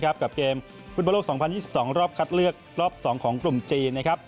กับเกมฟุ่นบลก๒๐๒๒รอบคัดเลือกรอบ๒ของกลุ่มจีน